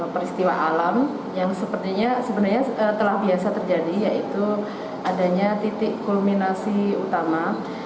peristiwa alam yang sepertinya sebenarnya telah biasa terjadi yaitu adanya titik kulminasi utama